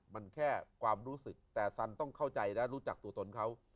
มันแค่ความรู้สึกแต่สันต้องเข้าใจและรู้จักตัวตนเขา